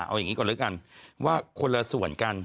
เอาอย่างนี้ก่อนแล้วกันว่าคนละส่วนกัน